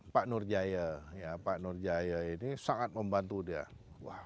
pak nurjaya pak nurjaya ini sangat membantu dia